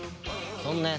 そんな奴